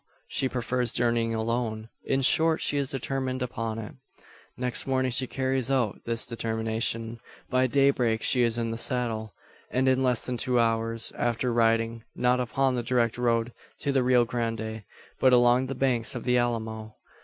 She prefers journeying alone. In short, she is determined upon it. Next morning she carries out this determination. By day break she is in the saddle; and, in less than two hours after, riding, not upon the direct road to the Rio Grande, but along the banks of the Alamo!